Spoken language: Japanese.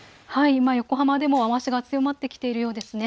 今、横浜でも雨足が強まってきているようですね。